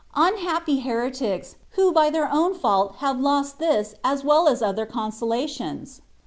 Unhappy heretics, who by their own fault have lost this as well as other consolations.